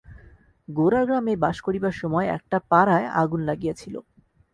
গোরা গ্রামে বাস করিবার সময় একটা পাড়ায় আগুন লাগিয়াছিল।